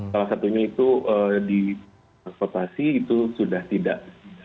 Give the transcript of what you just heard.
salah satunya itu di transportasi itu sudah tidak